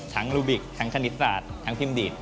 ลูบิกทั้งคณิตศาสตร์ทั้งพิมพ์ดีด